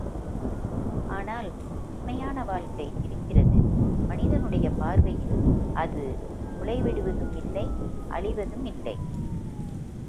ஆனால் உண்மையான வாழ்க்கை இருக்கிறது மனிதனுடைய பார்வையில் அது முளைவிடுவதுமில்லை, அழிவதுமில்லை.